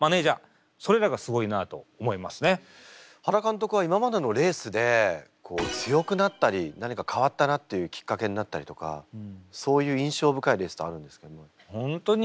原監督は今までのレースでこう強くなったり何か変わったなっていうきっかけになったりとかそういう印象深いレースってあるんですか今まで。